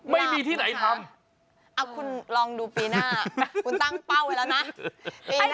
ไม่มีที่ไหนทำคุณลองดูปีหน้าคุณตั้งเป้าไว้แล้วนะปีหน้า